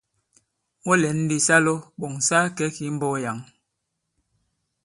Wɔ lɛ̌n ndī sa lɔ ɓɔ̀ŋ sa kakɛ̌ kì i mbɔ̄k yǎŋ.